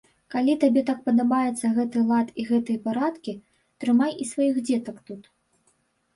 Калі табе так падабаюцца гэты лад і гэтыя парадкі, трымай і сваіх дзетак тут.